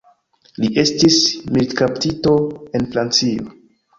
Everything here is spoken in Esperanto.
Li estis militkaptito en Francio.